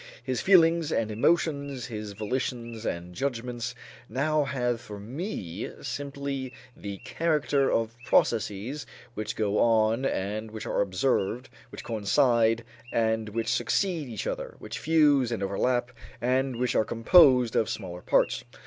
His feelings and emotions, his volitions and judgments now have for me simply the character of processes which go on and which are observed, which coincide and which succeed each other, which fuse and overlap, and which are composed of smaller parts.